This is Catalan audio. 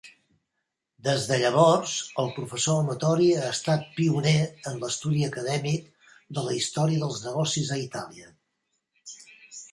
Des de llavors, el professor Amatori ha estat pioner en l'estudi acadèmic de la història dels negocis a Itàlia.